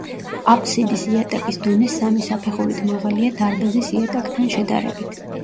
აბსიდის იატაკის დონე სამი საფეხურით მაღალია დარბაზის იატაკთან შედარებით.